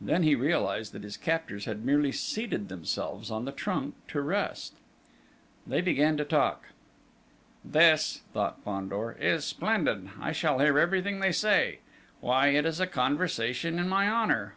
Then he realised that his captors had merely seated themselves on the trunk to rest! They began to talk. "This," thought Fandor, "is splendid! I shall hear everything they say. Why, it is a conversation in my honour!